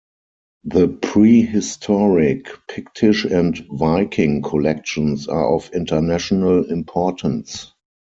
The prehistoric, Pictish and Viking collections are of international importance.